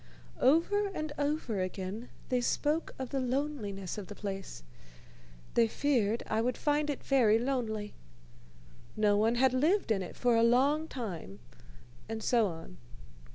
Over and over again they spoke of the loneliness of the place. They feared I would find it very lonely. No one had lived in it for a long time, and so on.